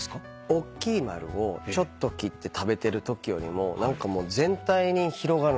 おっきい丸をちょっと切って食べてるときよりも全体に広がるんすよ。